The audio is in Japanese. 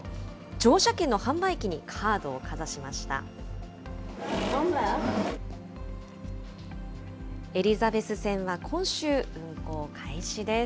乗車券の販売機にカードをかざしエリザベス線は今週、運行開始です。